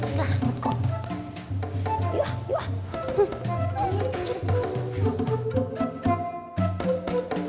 setelah hamil kok